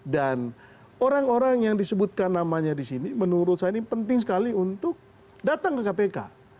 dan orang orang yang disebutkan namanya di sini menurut saya ini penting sekali untuk datang ke kpk